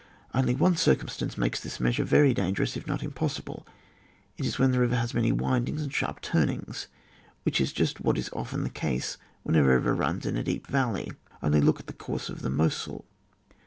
Only one circumstance makes this measure very dangerous, if not impossible : it is when the river has many windings and sharp turnings, which is just what is often the case when a river runs in a deep valley, Only look at the course of the Mosel.